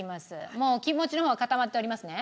もうお気持ちの方は固まっておりますね？